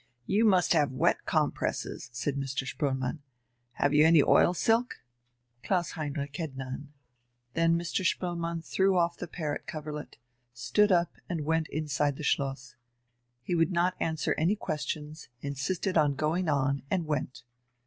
"You must have wet compresses," said Mr. Spoelmann. "Have you any oil silk?" Klaus Heinrich had none. Then Mr. Spoelmann threw off the parrot coverlet, stood up, and went inside the Schloss. He would not answer any questions, insisted on going, and went.